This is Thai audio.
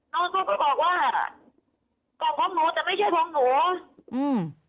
เขาก็บอกว่าก็ของหนูแต่ไม่ใช่ของหนูอืม